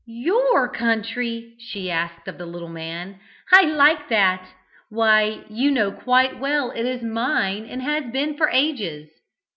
"Your country?" she asked of the little man. "I like that! why you know quite well it is mine, and has been for ages."